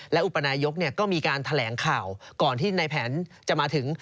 และอุปนายกก็มีการแถลงข่าวก่อนที่ในแผนจะมาถึง